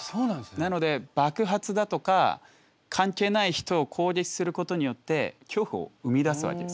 なので爆発だとか関係ない人を攻撃することによって恐怖を生み出すわけですね。